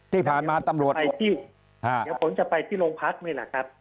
ที่ผ่านมาตำรวจจะไปที่โรงพักษณ์ไหมล่ะครับ